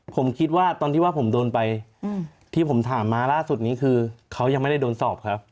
ผมคิดว่าตอนที่ว่าผมโดนไปที่ผมถามมาล่าสุดนี้คือเขายังไม่ได้โดนสอบครับ